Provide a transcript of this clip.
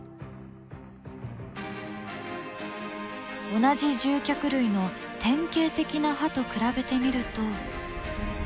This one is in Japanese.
同じ獣脚類の典型的な歯と比べてみると。